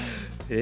え？